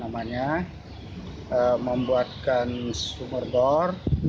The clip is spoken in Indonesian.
membuat sumur oppan